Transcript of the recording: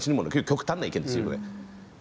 極端な意見ですよ、これ。